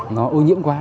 nó ô nhiễm quá